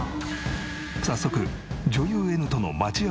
早速女優Ｎとのへえ！